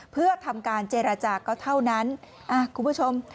เพื่อทำการเจรจาก็เท่านั้นคุณผู้ชม